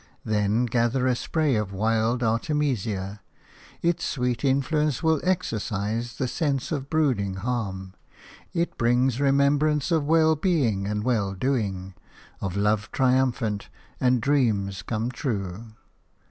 Then gather a spray of wild artemisia; its sweet influence will exorcise the sense of brooding harm; it brings remembrance of well being and well doing, of love triumphant and dreams come true.